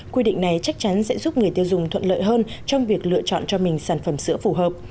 quy định này chắc chắn sẽ giúp người tiêu dùng thuận lợi hơn trong việc lựa chọn cho mình sản phẩm sữa phù hợp